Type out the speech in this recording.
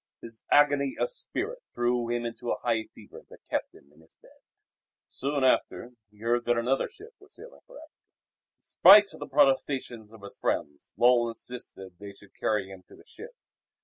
His agony of spirit threw him into a high fever that kept him in his bed. Soon after he heard that another ship was sailing for Africa. In spite of the protestations of his friends Lull insisted that they should carry him to the ship.